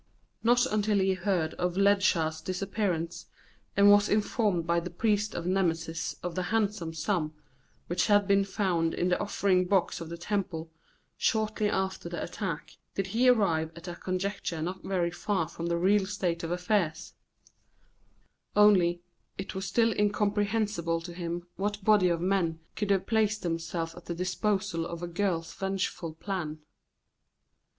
Not until he heard of Ledscha's disappearance, and was informed by the priest of Nemesis of the handsome sum which had been found in the offering box of the temple shortly after the attack, did he arrive at a conjecture not very far from the real state of affairs; only it was still incomprehensible to him what body of men could have placed themselves at the disposal of a girl's vengeful plan.